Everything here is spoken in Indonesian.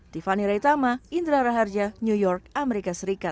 tiffany raitama indra raharja new york amerika serikat